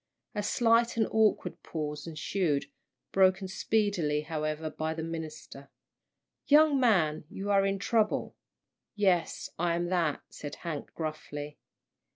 A slight and awkward pause ensued, broken speedily, however, by the minister. "Young man, you are in trouble." "Yes, I am that," said Hank, gruffly.